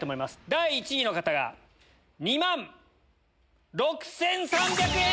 第１位の方が２万６３００円！